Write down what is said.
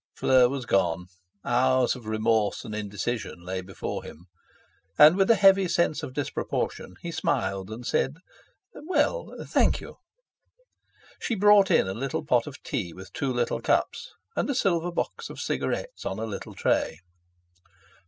Fleur was gone! Hours of remorse and indecision lay before him! And with a heavy sense of disproportion he smiled, and said: "Well—thank you!" She brought in a little pot of tea with two little cups, and a silver box of cigarettes on a little tray.